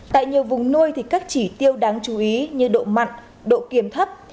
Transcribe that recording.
tại nhiều vùng nuôi các chỉ tiêu đáng chú ý như độ mặn độ kiềm thấp